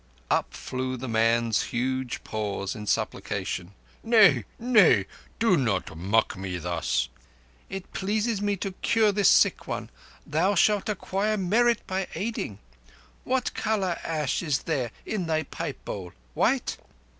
Up flew the man's huge paws in supplication. "Nay—nay. Do not mock me thus." "It pleases me to cure this sick one. Thou shalt acquire merit by aiding. What colour ash is there in thy pipe bowl? White.